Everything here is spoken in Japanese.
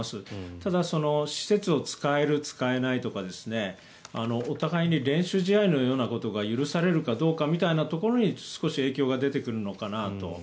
ただ施設を使える、使えないとかお互いに練習試合のようなことが許されるかどうかみたいなところに少し影響が出てくるのかなと。